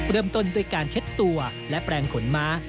เริ่มต้นด้วยการเช็ดตัวและแปลงขนม้า